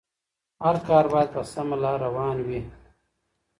هر کار بايد په سمه لاره روان وي.